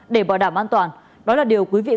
để bảo đảm an toàn đó là điều quý vị